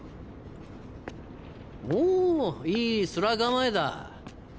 おいい面構えだ。